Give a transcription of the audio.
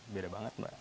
beda banget mbak